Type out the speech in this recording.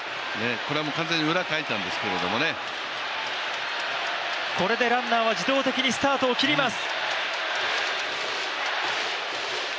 これは完全に裏をかいたんですけどね。これでランナーは自動的にスタートを切ります。